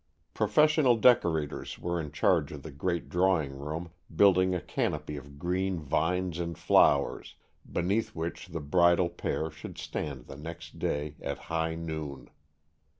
Professional decorators were in charge of the great drawing room, building a canopy of green vines and flowers, beneath which the bridal pair should stand the next day at high noon.